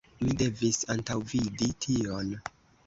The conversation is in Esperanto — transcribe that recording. Mi devis antaŭvidi tion.